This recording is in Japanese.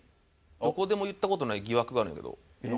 どこでも言った事ない疑惑があるんやけど。